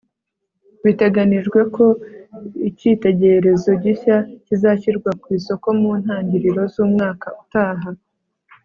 biteganijwe ko icyitegererezo gishya kizashyirwa ku isoko mu ntangiriro z'umwaka utaha